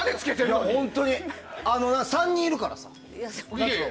３人いるからさ。